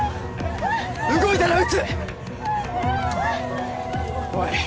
動いたら撃つおい